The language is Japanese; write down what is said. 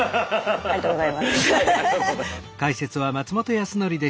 ありがとうございます。